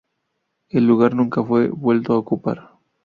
El lugar nunca fue vuelto a ocupar.